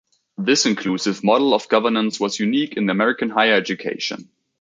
This inclusive model of governance was unique in American higher education.